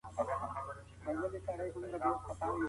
ناوخته کار ستونزي راولي